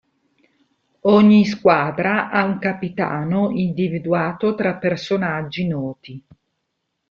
Ogni squadra ha un capitano individuato tra personaggi noti.